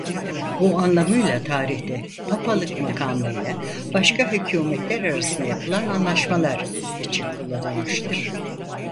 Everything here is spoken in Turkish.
Bu anlamıyla tarihte "Papalık makamıyla başka hükûmetler arasında yapılan anlaşmalar" için kullanılmıştır.